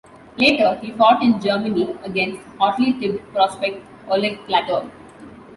Later, he fought in Germany against hotly tipped prospect Oleg Platov.